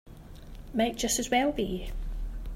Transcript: Might just as well be.